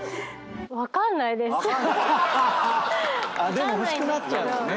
でも欲しくなっちゃうんだね。